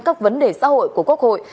các vấn đề xã hội của quốc hội